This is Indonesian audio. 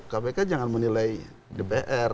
kpk jangan menilai dpr